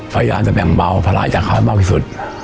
พยายามจะแบ่งเบาภาระจากเขามากที่สุด